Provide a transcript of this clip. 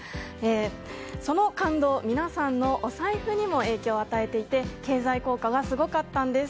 その感動、皆さんのお財布にも影響を与えていて経済効果がすごかったんです。